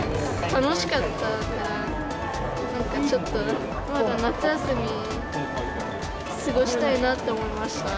楽しかったから、なんかちょっと、まだ夏休み過ごしたいなって思いました。